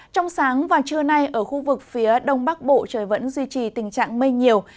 trong sáng và trưa nay ở khu vực phía đông bắc bộ trời vẫn duy trì tình trạng mây nhiều